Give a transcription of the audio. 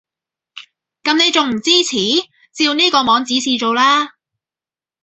噉你仲唔支持？照呢個網指示做啦